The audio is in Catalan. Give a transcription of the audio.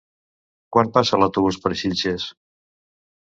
Quan passa l'autobús per Xilxes?